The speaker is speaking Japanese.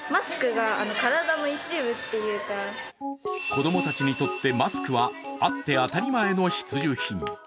子供たちにとってマスクはあって当たり前の生活。